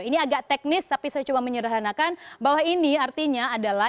ini agak teknis tapi saya coba menyederhanakan bahwa ini artinya adalah